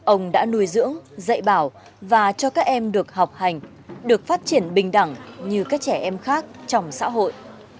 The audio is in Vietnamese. ông đã nuôi dưỡng dạy bảo và cho các em được học hành được phát triển bình đẳng như các trẻ em khác trong xã hội